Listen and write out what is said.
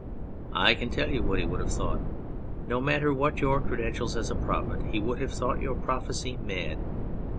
I can tell you what he would have thought. No matter what your credentials as a prophet, he would have thought your prophecy mad.